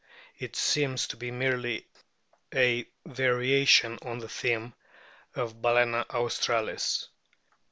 It seems to be merely a "variation on the theme" of Balccna australis.